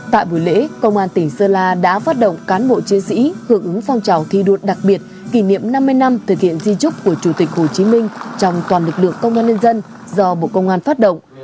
tại buổi lễ công an tỉnh sơn la đã phát động cán bộ chiến sĩ hưởng ứng phong trào thi đua đặc biệt kỷ niệm năm mươi năm thực hiện di trúc của chủ tịch hồ chí minh trong toàn lực lượng công an nhân dân do bộ công an phát động